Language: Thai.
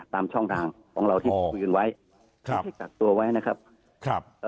ตามช่องทางของเราที่อยู่ไว้ไม่ใช่กักตัวไว้นะครับ